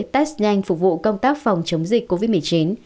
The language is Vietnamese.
test nhanh phục vụ công tác phòng chống dịch covid một mươi chín